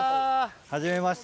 はじめまして。